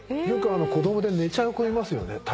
よく子供で寝ちゃう子いますよね？